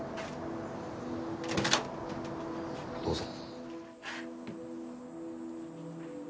どうぞ。